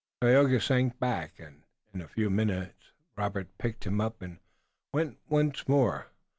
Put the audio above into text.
Tayoga sank back, and, in a few more minutes, Robert picked him up and went on once more.